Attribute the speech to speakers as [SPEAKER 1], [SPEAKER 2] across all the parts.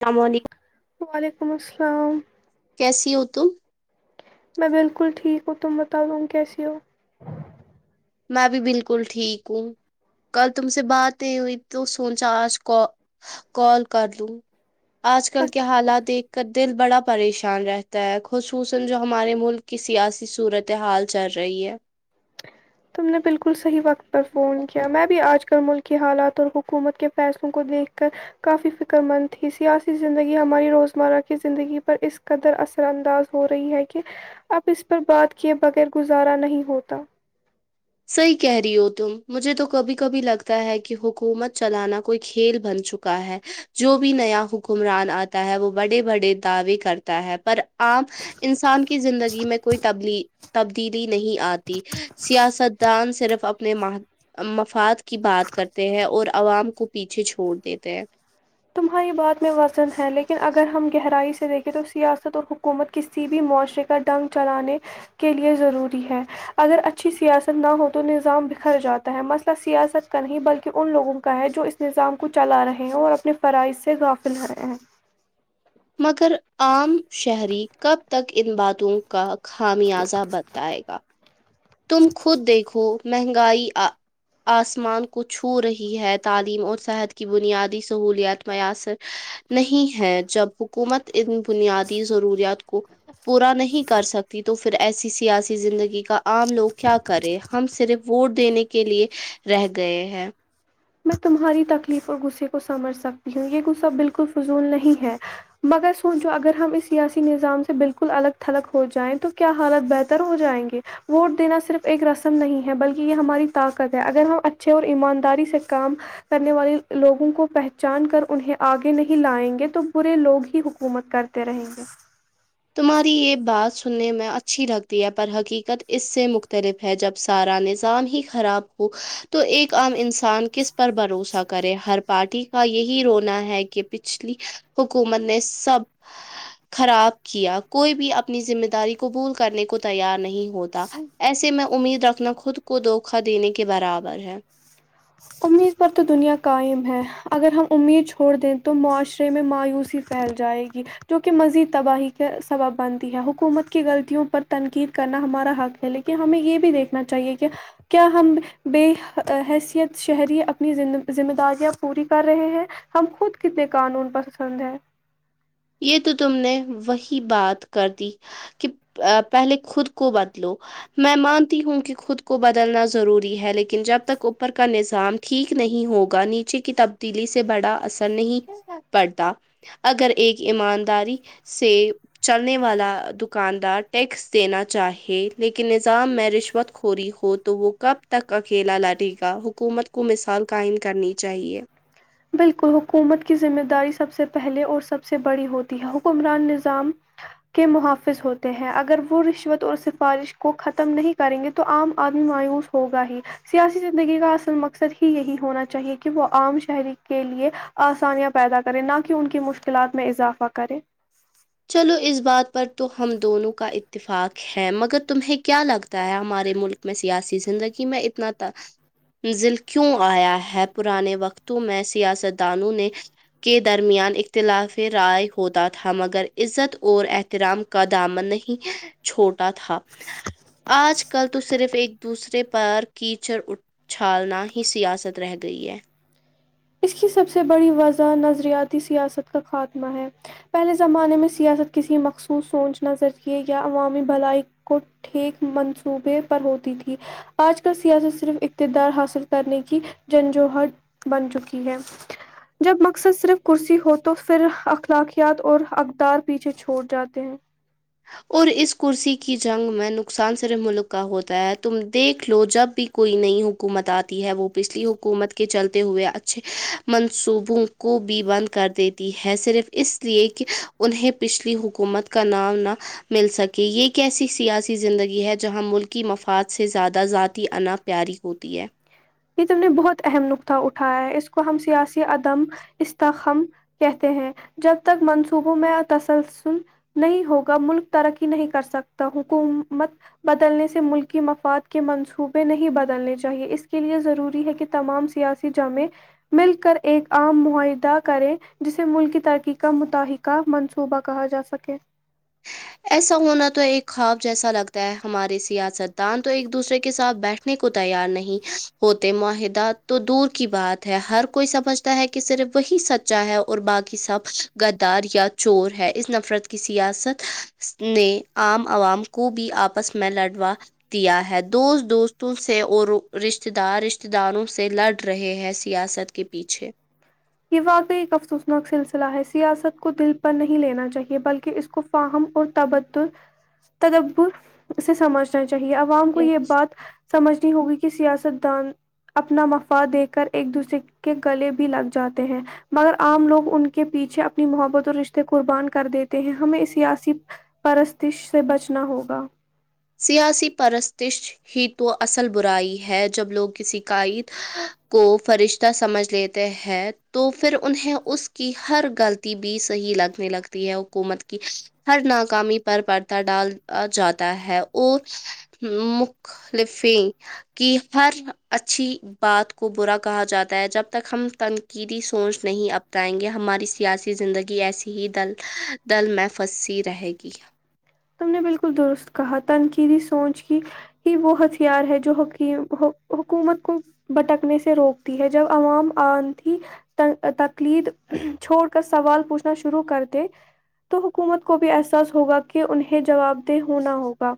[SPEAKER 1] اسلام علیکم
[SPEAKER 2] وعلیکم السلام
[SPEAKER 1] کیسی ہو تم
[SPEAKER 2] میں بالکل ٹھیک ہو تم بتاؤوں تم کی س ہو
[SPEAKER 1] میں بھی بالکل ٹھیک ہوں کل تم سے باتیں ہوئی تو سوچا آج ک کال کر لوں آج کل کے
[SPEAKER 2] اچ-
[SPEAKER 1] حالات دیکھ کر دل بڑا پریشان رہتا ہے خصوصا جو ہمارے ملک کی سیاسی صورت حال چل رہی ہے
[SPEAKER 2] تم نے بالکل صحیح وقت پر فون
[SPEAKER 1] ہے
[SPEAKER 2] کیا میں آج کل ملکی حالات اور حکومت کے فیصلوں کو دیکھ کر کافی فکر مند تھی سیاسی زندگی ہماری روزمرہ کی زندگی پر اس قدر اثر انداز ہو رہی ہے کہ اب اس پر بات کیے بغیر گزارا نہیں ہوتا
[SPEAKER 1] صحیح کہہ رہی ہو تم مجھے تو کبھی کبھی لگتا ہے کہ حکومت چلانا کوئی کھیل بن چکا ہے جو بھی نیا حکمران آتا ہے وہ بڑے بڑے دعوے کرتا ہے پر عام انسان کی زندگی میں کوئی ت تبدیلی نہیں آتی سیاستدان صرف اپنے م مفاد کی بات کرتے ہیں اور عوام کو پیچھے چھوڑ دیتے ہیں
[SPEAKER 2] تمہاری یہ بات میں وسن ہے لیکن اگر ہم گہرائی سے دیکھیں تو سیاست اور ح حکومت کسی بھی معاشرے کا ڈنگ چلانے کے لیے ضروری ہے اگر اچھی سیاست نہ ہو تو نظام بکھر جاتا ہے مسئلہ سیاست کا نہیں بلکہ ان لوگوں کا ہے جو اس نظام کو چلا رہے ہیں اور اپنے فرائض سے غافل ہو رہے ہیں
[SPEAKER 1] مگر عام شہری کب تک ان باتوں کا خامیازہ بتائے گا تم خود دیکھو مہنگائی آ آسمان کو چھو رہی ہے تعلیم اور صحت کی بنیادی سہولیات میسر نہیں ہے جب حکومت ان بنیادی ضروریات کو پورا نہیں کر سکتی تو پھر ایسی سیاسی زندگی کا عام لوگ کیا کرے ہم صرف ووٹ دینے کے لیے رہ گئے ہیں
[SPEAKER 2] میں تمہاری تکلیف اور غصے کو سمجھ سکتی ہوں یہ غصہ بالکل فضول نہیں ہے مگر سوچو اگر ہم اس سیاسی نظام سے بالکل الگ تھلگ ہو جائیں تو کیا حالت بہتر ہو جائیں گے ووٹ دینا صرف ایک رسم نہیں ہے بلکہ یہ ہماری طاقت ہے اگر ہم اچھے اور ایمانداری سے کام کرنے والے لوگوں کو پہچان کر انہیں آگے نہیں لائیں گے تو برے لوگ ہی حکومت کر تے رہیں گے
[SPEAKER 1] تمہاری یہ بات سننے میں اچھی لگتی ہے پر حقیقت اس سے مختلف ہے جب سارا نظام ہی خراب ہو تو ایک عام انسان کس پر بھروسہ کرے ہر پارٹی کا یہی رونا ہے کہ پچھلی حکومت نے سب خراب کیا کوئی بھی اپنی ذمہ داری قبول کرنے کو تیار نہیں ہوتا ایسے میں امید رکھنا خود کو دھوکا دینے کے برابر ہے
[SPEAKER 2] امید پر تو دنیا قائم ہے اگر ہم امید چھوڑ دیں تو معاشرے میں مایوسی پھیل جائے گی جو کہ مزید تباہی کا سبب بنتی ہے حکومت کی غلطیوں پر تنقید کرنا ہمارا حق ہے لیکن ہمیں یہ بھی دیکھنا چاہیے کہ کیا ہم بے حیثیت شہری اپنی ذمہ داریاں پوری کر رہے ہیں ہم خود کتنے قانون پسند ہیں
[SPEAKER 1] یہ تو تم نے وہی بات کر دی کہ پہلے خود کو بدلو میں مانتی ہوں کہ خود کو بدلنا ضروری ہے لیکن جب تک اوپر کا نظام ٹھیک نہیں ہوگا نیچے کی تبدیلی سے بڑا اثر نہیں پڑتا اگر ایک ایمانداری سے چلنے والا دکاندار ٹیکس دینا چاہے لیکن نظام میں رشوت خوری ہو تو وہ کب تک اکیلا لڑے گا حکومت کو مثال قائم کرنی چاہیے
[SPEAKER 2] بالکل حکومت کی ذمہ داری سب سے پہلے اور سب سے بڑی ہوتی ہے حکمران نظام کے محافظ ہوتے ہیں اگر وہ رشوت اور سفارش کو ختم نہیں کریں گے تو عام آدمی مایوس ہوگا ہی سیاسی زندگی کا اصل مقصد ہی یہی ہونا چاہیے کہ وہ عام شہری کے لیے آسانیاں پیدا کریں نہ کہ ان کی مشکلات میں اضافہ کرے
[SPEAKER 1] چلو اس بات پر تو ہم دونوں کا اتفاق ہے ہے مگر تمہیں کیا لگتا ہے ہمارے ملک میں سیاسی زندگی میں اتنا ل کیوں آیا ہے پرانے وقتوں میں سیاستدانوں نے کے درمیان اختلافی رائے ہوتا تھا مگر عزت اور احترام کا دامن نہیں چھوٹا تھا آج کل تو صرف ایک دوسرے پر کیچڑ اٹچھالنا ہی سیاست رہ گئی ہے
[SPEAKER 2] اس کی سب سے بڑی وضہ نظریاتی سیاست کا خاتمہ ہے پہلے زمانے میں سیاست کسی مخصوص سوچنا ذریعے یا عوامی بھلائی کو ٹھیک منصوبے پر ہوتی تھی آج کال سیاست صرف اقتدار حاصل کرنے کی جنجوہر بن چکی ٹھیک ہے جب مقصد صرف کرسی ہو تو پھر اخلاقیات اور اقدار پیچھے چھوڑ جاتے ہیں
[SPEAKER 1] اور اس کرسی کی جنگ میں نقصان صرف ملک کا ہوتا ہے تم دیکھ لو جب بھی کوئی نئی حکومت آتی ہے وہ پچھلی حکومت کے چلتے ہوئے اچھے منصوبوں کو بھی بند کر دیتی ہے صرف اس لیے کہ انہیں پچھلی حکومت کا نام نہ مل سکے یہ ایک ایسی سیاسی زندگی ہے جہاں ملکی مفاد سے زیادہ ذاتی انپ پیاری ہوتی ہے
[SPEAKER 2] یہ تم نے بہت اہم نکقطہ اٹھایا ہے اس کو ہم سیاسی عدم استخم کہتے ہیں جب تک منصوبوں میں تسلسل نہیں ہوگا ملک ترقی نہیں کر سکتا حکومت بدلنے سے ملکی مفاد کے منصوبے نہیں بدلنے چاہیے اس کے لیے ضروری ہے کہ تمام سیاسی جامع مل کر ایک عام معاہدہ کرے جسے ملک کی ترقی کا متحق کا منصوبہ کہا جا سکے
[SPEAKER 1] ایسا ہونا تو ایک خواب جیسا لگتا ہے ہمارے سیاست دان تو ایک دوسرے کے ساتھ بیٹھ نے کو تیار نہیں ہوتے معاہدات تو دور کی بات ہے ہر کوئی سمجھ ہے کہ صرف وہی سچا ہے اور باقی سب گدار یا چور ہے اس نفرت کے سیاست نے عام عوام کو بھی آپس میں لڑوا دیا ہے دوست دوستوں سے اور رشتے دار رشتے داروں سے لڑ رہے ہیں سیاست کے پیچھے
[SPEAKER 2] یہ واقع ایک افسوسناک سلسلہ ہے سیاست کو دل پر نہیں لینا چاہیے بلکہ اس کو فاہم اور تبدور تدور سے سمجھنا چاہیے عوام کو یہ بات سمجھنی ہوگی کہ سیاست دان اپنا مفاد دے کر ایک دوسرے کے گلے بھی لگ جاتے ہیں مگر عام لوگ ان کے پیچھے اپنی محبت اور رشتے قربان کر دیتے ہیں ہمیں سیاسی پرستش سے بچنا ہوگا
[SPEAKER 1] سیاسی پرستش ہی تو اصل برائی ہے جب لوگ کسی کاائید کو فرشتہ سمجھ لیتے ہیں تو فر انہیں اس کی ہر غلط ی بھی صحیح لگنے لگتی ہے حکومت کی ہر ناکامی پر پرتا ڈال ا جاتا ہے اور مخلفیں کی ہر اچھی بات کو برا کہا جاتا ہے جب تک ہم تنقیدی سوچ نہیں اپتائیں گے ہماری سیاسی زندگی ایسی ہی دل دل میں پھنسی رہے گی
[SPEAKER 2] تم نے بالکل درست کہا تنقیدی سوچ کی ہی وہ ہتھیار ہے جو حکی حکومت کو بٹکنے سے روکتی ہے جب عوام آن تھی تقلید چھوڑ کر سوال پوچھنا شروع کر دے تو حکومت کو بھی احساس ہوگا کہ انہیں جواب دہ ہونا ہوگا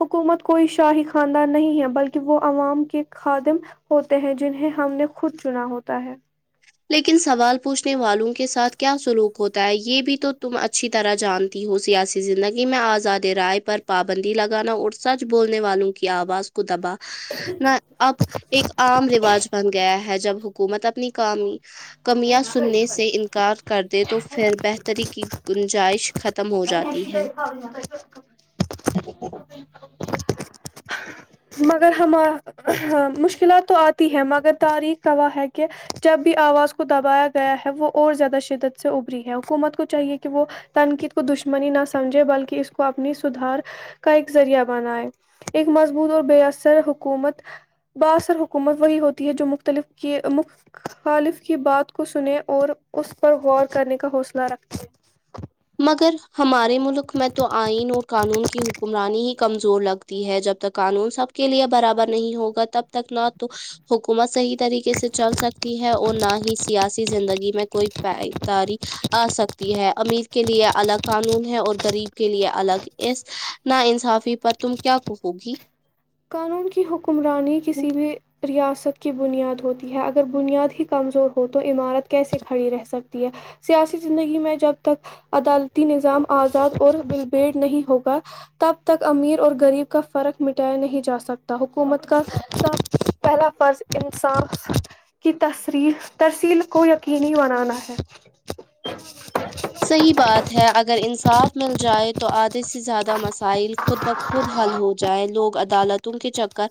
[SPEAKER 2] حکومت کوئی شاہی خاندان نہیں ہے بلکہ وہ عوام کے خادم ہوتے ہیں جنہیں ہم نے خود چنا ہوتا ہے
[SPEAKER 1] لیکن سوال پوچھنے والوں کے ساتھ کیا سلوک ہوتا ہے یہ بھی تو تم اچ اچھی طرح جانتی ہوں سیاسی زندگی میں آزاد رائے پر پابندی لگانا اور سچ بولنے والوں کی آواز کو دبا نہ اب ایک عام رواج بن گیا ہے جب حکومت اپنی کام کمیاں سننے سے انکار کر دے تو پھر بہتری کی گنجائش ختم ہو جاتی ہے
[SPEAKER 2] مگر ہمار ہ مشکلات تو آتی ہے مگر تاریخ گواہ ہے کہ جب بھی آواز دبایا گیا ہے وہ اور زیادہ شدت سے ابھری ہے حکومت کو چاہیے کہ وہ تنقید کو دشمنی نہ سمجھے بلکہ اس کو اپنی سدھار کا ایک ذریعہ بنا ہے ایک مضبوط اور بے اثر حکومت با اثر حکومت وہی ہوتی ہے جو مختلف کی مخ خالف کی بات کو سنے اور اس پر غور کرنے کا حوصلہ رکھتے ہو
[SPEAKER 1] مگر ہمارے ملک میں تو آئین اور قانون کی حکمرانی ہیں کمزور لگتی ہے جب تک قانون سب کے لیے برابر نہیں ہوگا تب تک نہ تو حکم حکومت صحیح طریقے سے چل سکتی ہے اور نہ ہی سیاسی زندگی میں کوئی پایداری آسکتی ہے امیر کے لیے الگ قانون ہے اور غریب کے لیے الگ اس نا انصافی پر تم کیا کہو گی
[SPEAKER 2] قانون کی حکمرانی کسی بھی ریاست کی بنیاد ہوتی ہے اگر بنیاد ہی کمزور ہو تو عمارت کیسے کھڑی رہ سکتی ہے سیاسی زندگی میں جب تک عدالتی نظام آزاد اور بلبیڑ نہیں ہوگا تب تک امیر اور غریب کا فرق مٹایا نہیں جا سکتا حکومت کا پہلا فرض انصاف کی تسری ترسیل کو یقینی بنانا ہے
[SPEAKER 1] صحیح بات ہے اگر انصاف مل جائے تو آدھے سے زیادہ مسائل خود بخود حل ہو جائے لوگ عدالتوں کے چکر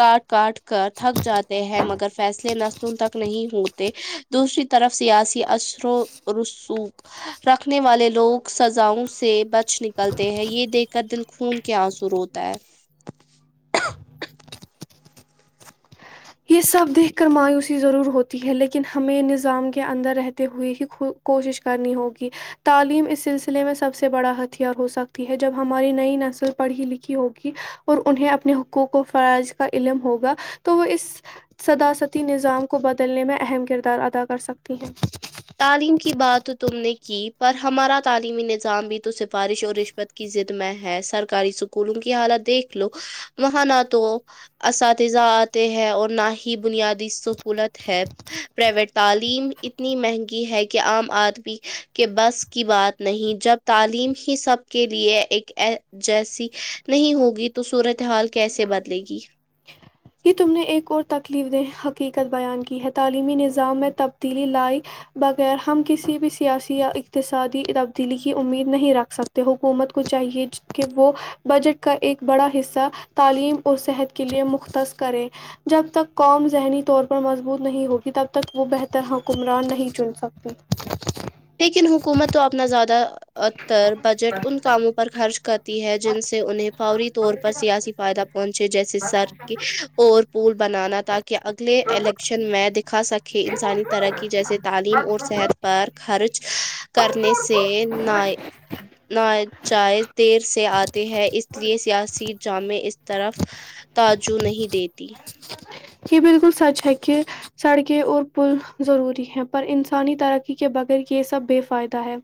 [SPEAKER 1] کاٹ کاٹ کر تھک جاتے ہیں مگر فیصلے نہ تک نہیں ہوتے دوسری طرف سیاسی اثروں رسوخ رکھنے والے لوگ سزاؤں سے بچ نکلتے ہیں یہ دیکھ کر دل خون کے آنسو روتا ہے
[SPEAKER 2] یہ سب دیکھ کر مایوسی ضرور ہوتی ہے لیکن ہمیں نظام کے اندر رہتے ہوئے ہی خود کوشش کرنی ہوگی تعلیم اس سلسلے میں سب سے بڑا ہتھیار ہو سکتی ہے جب ہماری نئی نسل پڑھی لکھی ہوگی اور انہیں اپنے حقوق و فرائض کا علم ہوگا تو وہ اس صداستی نظام کو بدلنے میں اہم کردار ادا کر سکتی ہیں
[SPEAKER 1] تعلیم کی بات تم نے کی پر ہمارا تعلیمی نظام بھی تو سفارش اور رشوت کی ضد میں ہے سرکاری اسکولوں کی حالت دیکھ لو وہاں نہ تو اساتذہ آتے ہیں اور نہ ہی بنیادی سکونت ہے پرائیویٹ تعلیم اتنی مہنگی ہے کہ عام آدمی کے بس کی بات نہیں جب تعلیم ہی سب کے لیے ایک جیسی نہیں ہوگی تو صورتحال کیسے بدلے گی
[SPEAKER 2] یہ تم نے ایک اور تکلیف دہ حقیقت بیان کی ہے تعلیمی نظام میں تبدیلی لائی بغیر ہم کسی بھی سیاسی یا اختصادی تبدیلی کی امید نہیں رکھ سکتے تو حکومت کو چاہیے کہ وہ بجٹ کا ایک بڑا حصہ تعلیم اور صحت کے لیے مختص کریں جب تک قوم ذہنی طور پر مضبوط نہیں ہوگی تب تک وہ بہتر حکمران نہیں چن سک تی
[SPEAKER 1] لیکن حکومت تو اپنا زیادہ ا تر بجٹ ان کاموں پر خرچ کر تی ہے جن سے انہیں فوری طور پر سیاسی فائدہ پہنچے جیسے سڑک کی اور پول بنانا تا کی کہ اگلے الیکشن میں دکھا سکے انسانی ترقی جیسے تعلیم اور صحت پر خرچ کرنے سے نا ناجائز دیر سے آتے ہے اس لیے سیاسی جامع اس طرف تجوع نہیں دیتی
[SPEAKER 2] یہ بالکل سچ ہے کہ سڑکیں اور پل ضروری ہے پر انسانی ترقی کے بغیر یہ سب بے فائدہ ہے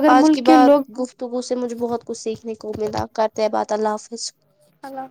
[SPEAKER 2] اگر
[SPEAKER 1] آج کی
[SPEAKER 2] ملک کے
[SPEAKER 1] بات
[SPEAKER 2] لوگ
[SPEAKER 1] گفتگو سے مجھے بہت کچھ سیکھنے کو امید کرتے ہیں بات اللہ حافظ
[SPEAKER 2] ہلو